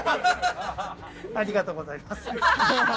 ありがとうございます。